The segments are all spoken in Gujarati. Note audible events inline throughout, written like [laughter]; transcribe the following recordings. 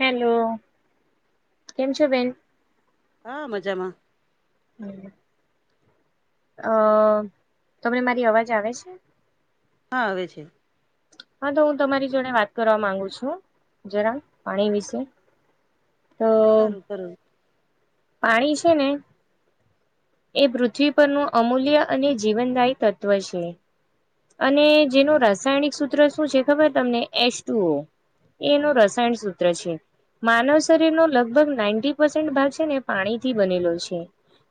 હેલો કેમ છો બેન. હા મજામાં. હ અ તમને મારી અવાજ આવે છે. હા આવે છે. હા તો હું તમારી જોડે વાત કરવા માંગુ છું, જરા પાણી વિશે. તો સારું કરું. પાણી છે ને. એ પૃથ્વી પરનું અમૂલ્ય અને જીવનદાયી તત્વ છે. અને જેનું રાસાયણિક સૂત્ર શું છે ખબર તમને એસ ટુ ઓ. એનું રસાયણ સૂત્ર છે. માનવ શરીર નો લગભગ નાઈન્ટી પસેન્ટ ભાગ છે ને પાણી થી બનેલો છે.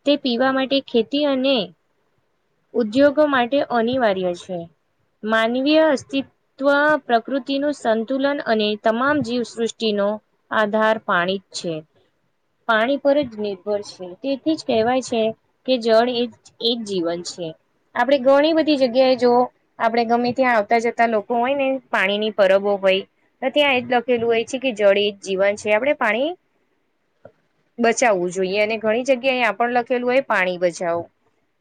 તે પીવા માટે ખેતી અને ઉદ્યોગો માટે અનિવાર્ય છે. માનવીય અસ્તી. તોઆ પ્રકૃતિનું સંતુલન અને તમામ જીવસૃષ્ટિનો. આધાર પાણી જ છે પાણી પર જ નિર્ભર છે તેથી જ કહેવાય છે. કે જળ એ એ જ જીવન છે આપણેે ઘણી બધી જગ્યાએ જો. આપડણે ગમે ત્યાં આવતા જતા લોકો હોય ને પાણીની પરબો હોય. ત્યાં એ જ લખેલું હોય છે કે જળિત જીવન છે આપણે પાણી બચાવવું જોઈએ અને ઘણી જગ્યા આપ લખેલું હોય પાણી બચાવો.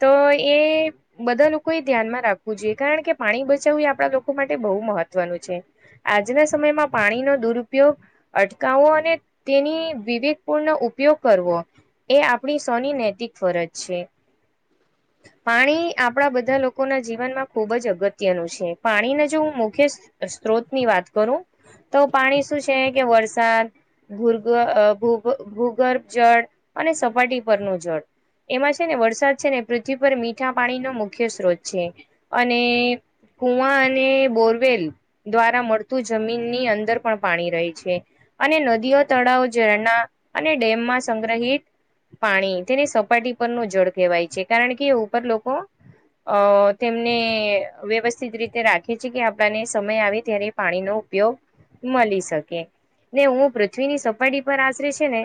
તો એ બધા લોકો એ ધ્યાનમાં રાખવું જોઈએ કારણ કે પાણી બચાવવું એ આપણા લોકો માટે બહુ મહત્વનું છે. આજના સમયમાં પાણીનો દુરુપયોગ. અટકાવો અને તેની વિવેકપૂર્ણ ઉપયોગ કરવો. એ આપણી સૌની નૈતિક ફરજ છે. પાણી આપણા બધા લોકોના જીવનમાં ખુબ જ અગત્યનું છે, પાણીને જો મુખ્ય સ્ત્રોત ની વાત કરું, તો પાણી શું છે કે વરસાદ ભૂગઅ ભૂ ભૂગર્ભ જળ અને સપાટી પરનું જળ. એમાં છે ને વરસાદ છે ને પૃથ્વી પર મીઠા પાણીનો મુખ્ય સ્ત્રોત છે અને કુવા અને બોરવેલ, દ્વારા મળતું જમીનની અંદર પણ પાણી રહી છે. અને નદીઓ તળાવ ઝરણા અને ડેમમાં સંગ્રહિત પાણી તેની સપાટી પર નું જળ કહેવાય છે, કારણ કે એ ઉપર લોકો. અ તેમને વ્યવસ્થિત રીતે રાખે છે, કે આપણાને સમય આવે ત્યારે પાણીનો ઉપયોગ મળી શકે ને હું પૃથ્વીની સપાટી પર આચરે છે ને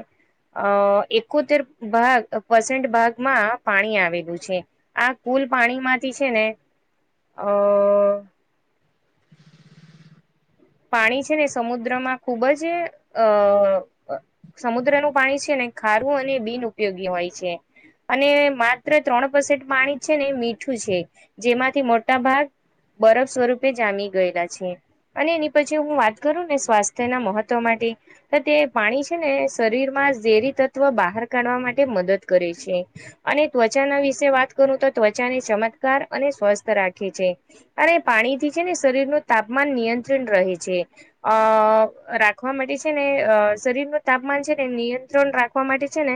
અ એકોતેર ભાગ, વસટ ભાગ માં પાણી આવેલું છે, આ કુલ પાણી માંથી છે ને અ પાણી છે ને સમુદ્રમાં ખૂબ જ અ સમુદ્રનું પાણી છે, ને ખારું અને બિન ઉપયોગી હોય છે. અને માત્ર ત્રણ પસેન્ટ પાણી છે, ને મીઠું છે જેમાંથી મોટા ભાગ. બરફ સ્વરૂપે જામી ગયેલા છે, અને એની પછી હું વાત કરું ને સ્વાસ્થ્યના મહત્વ માટે, હા તે પાણી છે, ને શરીર માં ઝેરી તત્વ બહાર કાઢવા માટે મદદ કરે છે. અને ત્વચાના વિશે વાત કરું તો ત્વચાને ચમત્કાર અને સ્વસ્થ રાખે છે. અને એ પાણીથી છે ને શરીર નુ તાપમાન નિયંત્રણ રહે છે. અ રાખવા માટે છે ને અ શરીર નુ તાપમાન છે ને નિયંત્રણ રાખવા માટે છે ને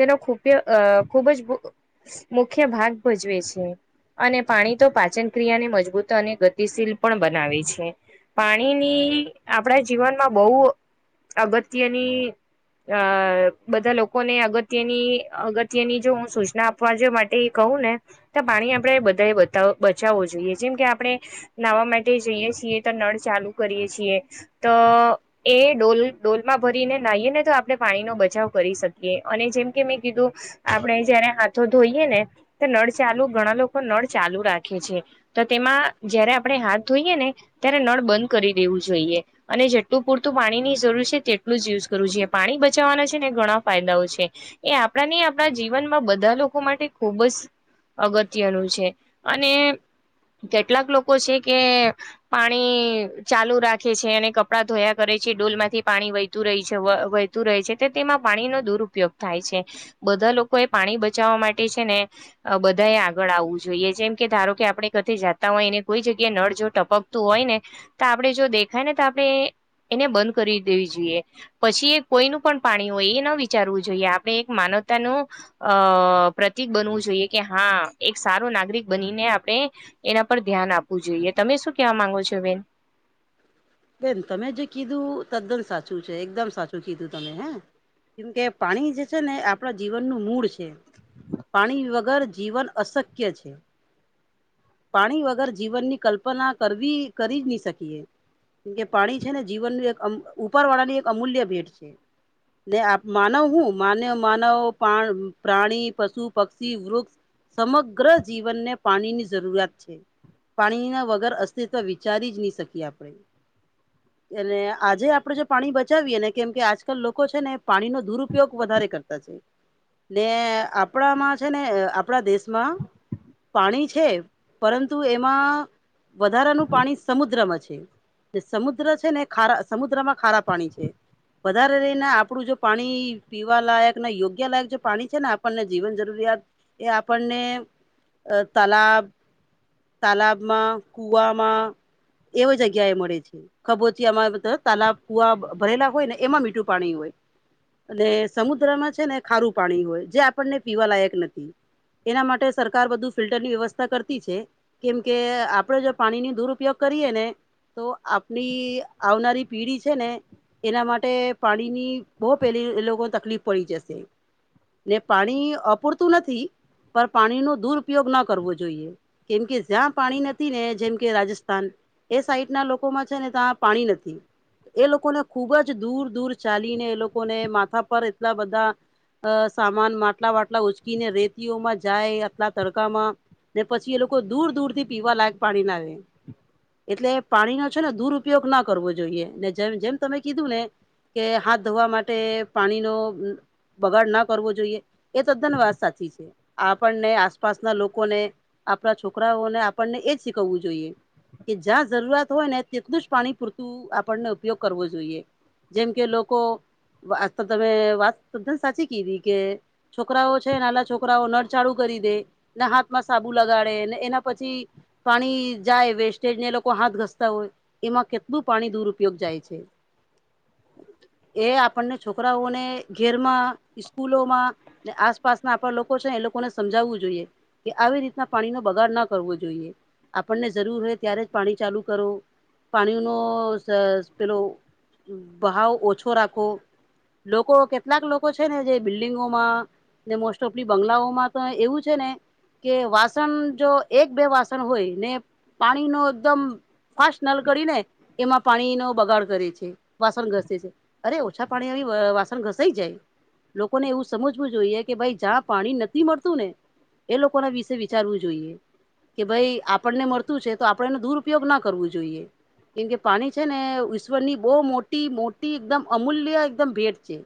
તેનો ખૂપ્ય અ ખૂબ જ મુખ્ય ભાગ ભજવે છે. અને પાણી તો પાચન ક્રિયા ને મજબૂત અને ગતિશીલ પણ બનાવે છે. પાણીની આપણા જીવનમાં બહુ અગત્યની, અ બધા લોકોને અગત્યની અગત્યની જો હું સૂચના આપ અવાજ માટે કહું ને તો પાણી આપણે બધાએ બતા બચાવવું જોઈએ જેમ કે આપણે. નાવા માટે જઈએ છીએ તો નળ ચાલુ કરીએ છીએ તો એ ડોલ ડોલમાં ભરીને નાહીએ ને તો આપણે પાણીનો બચાવ કરી શકીએ અને જેમકે મેં કીધું આપણે જયારે હાથો ધોઈએ ને તો નળ ચાલુ ઘણા લોકો નળ ચાલુ રાખે છે. તો તેમાં જયારે આપણે હાથ ધોઈએ ને ત્યારે નળ બંધ કરી દેવું જોઈએ. અને જેટલું પૂરતું પાણી ની જરૂર છે તેટલું જ યુઝ કરવું જોઈએ પાણી બચાવવાના છે ને ઘણા ફાયદાઓ છે. એ આપણા ને આપણા જીવનમાં બધા લોકો માટે ખૂબ જ અગત્યનું છે, અને કેટલાક લોકો છે કે પાણી ચાલુ રાખે છે અને કપડા ધોયા કરે છે ડોલ માંથી પાણી વહેતું રહી છે વ તું રહે છે તો તેમાં પાણીનો દુરપયોગ થાય છે બધા લોકો એ પાણી બચાવવા માટે છે ને બધાએ આગળ આવવું જોઈએ જેમ કે ધારો કે આપણે કથે જાતા હોયને કોઈ જગ્યાએ નડ જો ટપ તું હોય ને તો આપણે જો દેખાય ને તો આપણે એને બંધ કરી દેવી જોઈએ. પછી એ કોઈનું પણ પાણી હોય એ ન વિચારવું જોઈએ આપણે એક માનવતાનું. અ પ્રતિક બનવું જોઈએ કે હા એક સારું નાગરિક બનીને આપણે એના પર ધ્યાન આપવું જોઈએ તમે શું કેવા માંગો છો બેન? બેન તમે જે કીધું તદ્દન સાચું છે, એકદમ સાચું કીધું તમે હે કેમકે પાણી જે છે ને એ આપણા જીવનનું મૂળ છે. પાણી વગર જીવન અસ ક્ય છે, પાણી વગર જીવનની કલ્પના કરવી કરી નહી શકીએ. કેમ કે પાણી છે ને જીવનનું અ એક ઉપર વાળાની એક અમૂલ્ય ભેટ છે. [inaudible] ને આ માનવ હું માનવ માનવ પણ પ્રાણી પશુ, પક્ષી, વૃક્ષ, સમગ્ર જીવનને પાણીની જરૂરિયાત છે. પાણી ના વગર અસ્તિત્વ વિચારી જ નહી શકીએ આપણે એલે આજે આપડે જો પાણી બચાવીએ ને કેમ કે આજકાલ લોકો છે ને પાણીનો દુરુપયોગ વધારે કરતા છે. ને આપણામાં છે ને આપણા દેશમાં પાણી છે પરંતુ એમાં વધારાનું પાણી સમુદ્રમાં છે. સમુદ્ર છે ને ખારા સમુદ્રમાં ખારા પાણી છે. વધારે રહીને આપડું જો પાણી પીવા લાયક યોગ્ય લાયક જે પાણી છે ને આપણને જીવન જરૂરિયાત એ આપણને તલાબ તાલાબમાં કુવામાં એવી જગ્યા એ મળે છે. ખબોચિયામાં તાલાબ કુવા ભરેલા હોય ને એમાં મીઠું પાણી હોય અને સમુદ્રમાં છે ને ખારું પાણી હોય જે આપણને પીવા લાયક નથી. એના માટે સરકાર બધું ફિલ્ટર ની વ્યવસ્થા કરતી છે. કેમ કે આપડે જો પાણી નો દુરુપયોગ કરીએ ને આપની આવનારી પીઢી છે ને એના માટે પાણી ની બહુ પેલી એલોકો તકલીફ પડી જશે ને પાણી અપૂરતું નથી પણ પાણીનો દુરપયોગ ના કરવો જોઈએ કેમ કે જ્યાં પાણી નથી ને જેમ કે રાજસ્થાન એ સાઈડ ના લોકો માં છે ને તા પાણી નથી એ લોકોને ખુબ જ દૂર દૂર ચાલીને એ લોકોને માથા પર એટલા બધા અ સામાન માટલા વાટલા ઉચકીને રેતીઓમાં જાય આટલા તડકામાં ને પછી એ લોકો દૂર દૂર થી પીવા લાયક પાણી ના આવે એટલે પાણીના ો ને દુરપયોગ ના કરવો જોઈએ ને જેમ જેમ તમે કીધું ને કે હાથ ધોવા માટે પાણીનો બગાડ ના કરવો જોઈએ એ તદ્દન વાત સાચી છે આપણને આસપાસના લોકોને આપણા છોકરાઓને આપણને એજ શીખવવું જોઈએ કે જ્યાં જરૂરિયાત હોય ને તેટલું જ પાણી પૂરતું આપણને ઉપયોગ કરવો જોઈએ જેમ કે લોકો આ તો તમે વાતધ સાચી કીધી કે છોકરાઓ છે આલા છોકરાઓ નળચાળુ કરી દે ને હાથમાં સાબુ લગાડે ને એના પછી પાણી જાય વેસ્ટેજ ને લોકો હાથ ઘસતા હોય એમાં કેટલું પાણી દુરુપયોગ જાય છે એ આપણને છોકરાઓને ઘેરમાં સ્કૂલોમાં આસપાસના આપણા લોકો છે ને એ લોકોને સમજાવવું જોઈએ કે આવી રીતના પાણીનો બગાડ ના કરવો જોઈએ આપણને જરૂર હોય ત્યારે જ પાણી ચાલુ કરો પાણી ન પેલો ભહાવ ઓછો રાખો લોકો કેટલાક લોકો છે ને જે બિલ્ડિંગોમાં ને મોસ્ટ ઓફલી બંગલાઓમાં તો એવું છે ને કે વાસણ જો એક બે વાસણ હોય ને પાણી ન એકદમ ફાસ્ટ નલ કરીને એમાં પાણી નો બગાડ કરે છે વાસણ ઘસે છે અરે ઓછા પાણી આવી વાસણ ઘસાઈ જાય લોકોને એવું સમજવું જોઈએ કે ભાઈ જ્યાં પાણી નથી મળતું ને એ લોકો ના વિશે વિચારવું જોઈએ કે ભાઈ આપણને મળતું છે તો આપણે એનો દુરપયોગ ના કરવું જોઈએ કેમ કે પાણી છે ને ઈશ્વર ની બહુ મોટી મોટી એકદમ અમૂલ્ય એકદમ ભેટ છે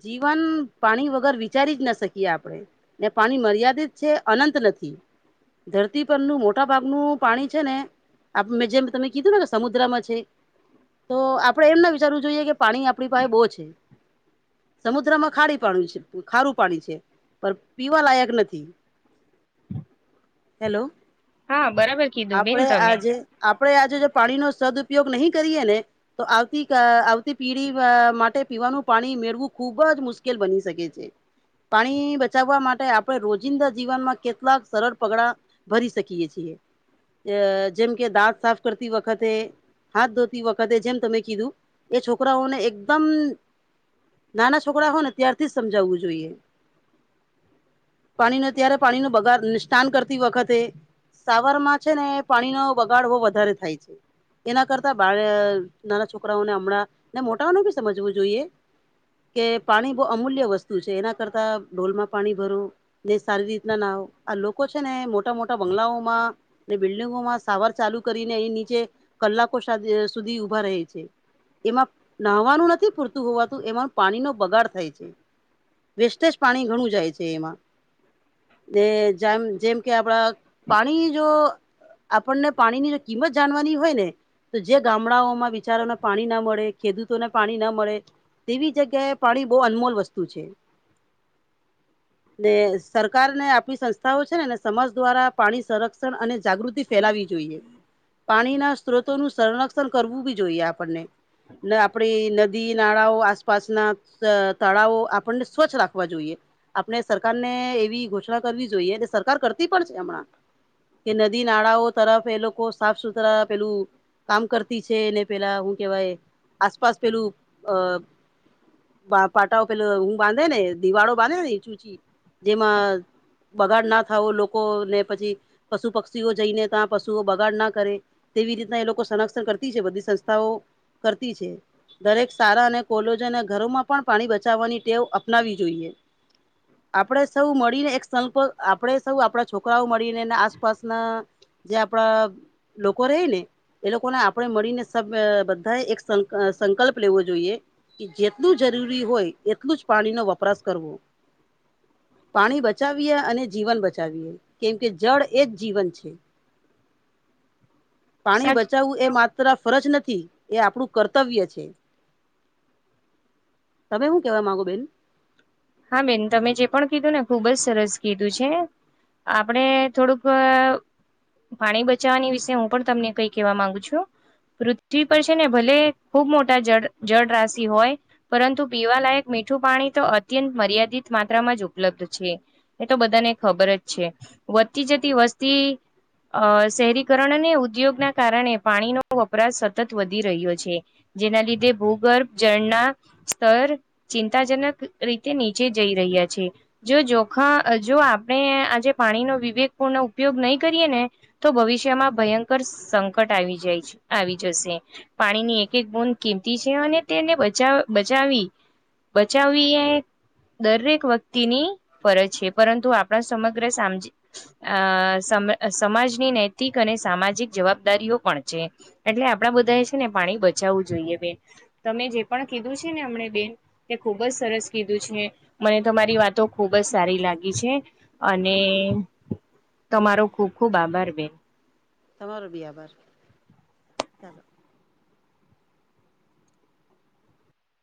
જીવન પાણી વગર વિચારી જ ના શકીએ આપડે ને પાણી મર્યાદિત છે અનંત નથી ધરતી પરનું મોટા ભાગનું પાણી છે ને આપ મે જેમ તમે કીધું ને કે સમુદ્રમાં છે તો આપડે એમ ના વિચારવું જોઈએ કે પાણી આપણી પાસે બહુ છે સમુદ્રમાં ખારી પાણી છે ખારું પાણી છે પણ પીવા લાયક નથી હેલો હા બરાબર કીધું બેન આપડે તમે. આજે આપડે આજે જો પાણીનોો સદઉપયોગ નહીં કરીએ ને તો આવતી આવતી પીડીી માટે પીવાનું પાણી મેળવું ખુબ જ મુશ્કેલ બની શકે છે પાણી બચાવવા માટે આપણે રોજિંદા જીવનમાં કેટલાક સરળ પગડા ભરી શકીએ છીએ જેમ કે દાંત સાફ કરતી વખતે હાથ ધોતી વખતે જેમ તમે કીધું એ છોકરાઓને એકદમ નાના છોકરા હોય ને ત્યારથી જ સમજાવવું જોઈએ પાણીનો ત્યારે પાણીનો બગાર નિષ્ાન કરતી વખતે સાવરમાં છે ને પાણી નો બગાડ બહ વધારે થાય છે એના કરતા બાળ નાના છોકરાઓને હમણાં ને મોટાઓનું ભી સમજવું જોઈએ કે પાણી બહ અમૂલ્ય વસ્તુ છે એના કરતા ઢોલમાં પાણી ભરો ને સારી રીતના ના આ લોકો છે ને મોટા મોટા બંગલાઓમાં બિલ્ડિંગોમાં સવાર ચાલુ કરીને અહીં નીચે કલાકો સુધી ઉઊભા રહે છે એમાં નહવાનું નથી પૂરતું હોવાતું એમાં પાણીનોો બગાડ થાય છે વેસ્ટેજ પાણી ઘણું જાય છે એમાં એ જેમ જેમ કે આપડા પાણી જો આપણને પાણી ની કિંમત જાણવાની હોય ને તો જે ગામડાઓમાં વિચારોને પાણી ના મળે ખેડૂતોને પાણી ના મળે તેવી જગ્યા કે પાણી બહુ અનમોલ વસ્તુ છે [unintelligible] ને સરકાર ને આપણી સંસ્થાઓ છે ને સમાજ દ્વારા પાણી સંરક્ષણ અને જાગૃતિ ફેલાવી જોઈએ પાણીના સ્ત્રોતોનું સંરક્ષણ કરવું બી જોઈએ આપણને ને આપડી નદી નાળાઓ આસપાસ ના તળાવો આપણને સ્વચ્છ રાખવા જોઈએ આપણે સરકાર ને એવી ઘોષણા કરવી જોઈએ સરકાર કરતી પણ છે હમણાં કે નદી નાળાઓ તરફ એ લોકો સાફ સુથરા પેલું કામ કરતી છે એને પેલા હું કેવાય આસપાસ પેલું અ પાટાઓ પેલો હ બાંધે ને દિવાળો બાંધે ને ચૂચી જેમાં બગાડ ના થાવો લોકો ને પછી પશુ પક્ષીઓ જઈને ત્યાં પશુઓ બગાડ ના કરે તેવી રીતના એ લોકો સંરક્ષણ કરતી છે બધી સંસ્થાઓ કરતી છે દરેક સારા અને કોલેજ અને ઘરોમાં પણ પાણી બચાવવાની ટેવ અપનાવી જોઈએ હમ આપણેે સૌ મળીને એક સંપ આપણે સૌ આપણા છોકરાઓ મળીને એના આસપાસના જે આપણા લોકો રે ને એ લોકોને આપણે મળીને સબ બધાએ એક સંકલ્પ લેવો જોઈએ જેટલું જરૂરી હોય એટલું જ પાણી નો વપરાશ કરવો પાણી બચાવીએ અને જીવન બચાવીએ કેમ કે જળ એ જ જીવન છે [unintelligible] પાણી સાચ બચાવવું એ માત્ર ફરજ નથી એ આપણું કર્તવ્ય છે તમે હું કેવા માંગો બેન હા બેન તમે જે પણ કીધું ને ખુબ જ સરસ કીધું છે આપડે થોડુંક પાણી બચાવવાની વિશે હું પણ તમને કઈ કેહેવા માંગુ છું પૃથ્વી પર છે ને ભલે ખૂબ મોટા જળ જળ રાશિ હોય પરંતુ પીવાલાયક મીઠું પાણી તો અત્યંત મર્યાદિત માત્રામાં જ ઉપલબ્ધ છે એ તો બધાને ખબર જ છે વધતી જતી વસ્તી અ શહેરીકરણ અને ઉદ્યોગના કારણે પાણીનો વપરાશ સતત વધી રહ્યો છે જેના લીધે ભૂગર્ભ જળના સ્તર ચિંતાજનક રીતે નીચે જઈ રહ્યા છે જો જોખમ જો આપણે આજે પાણીનોો વિવેક પૂર્ણ ઉપયોગ નહી કરીયએ ને તો ભવિષ્યમાં ભયંકર સંકટ આવી જાય આવી જશે પાણીની એક એક બોન કિંમતી છે અને તેને બચાવ બચાવી બચાવવી દરેક વ્યક્તિની ફરજ છે પરંતુ આપણા સમગ્ર સા અ સમાજની નૈતિક અને સામાજિક જવાબદારીઓ પણ છે. એટલે આપડા બધા એ છે ને પાણી બચાવવું જોઈએ બે તમે જે પણ કીધું છે ને હમને બેન તે ખુબ જ સરસ કીધું છે મને તો મારી વાતો ખુબ જ સારી લાગી છે અને તમારો ખુબ ખુબ આભાર બેન તમારો બ આબાર ચાલો